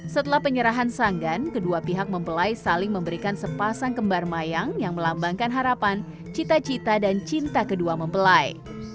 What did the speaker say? setelah penyerahan sanggan kedua pihak mempelai saling memberikan sepasang kembar mayang yang melambangkan harapan cita cita dan cinta kedua mempelai